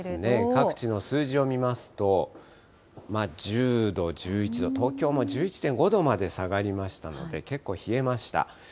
各地の数字を見ますと、１０度、１１度、東京も１１．５度まで下がりましたので、結構冷えました。